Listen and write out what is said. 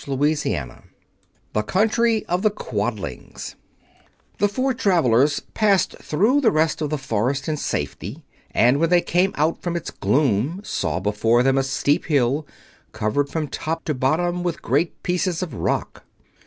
Chapter XXII The Country of the Quadlings The four travelers passed through the rest of the forest in safety, and when they came out from its gloom saw before them a steep hill, covered from top to bottom with great pieces of rock.